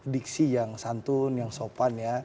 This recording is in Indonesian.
diksi yang santun yang sopan ya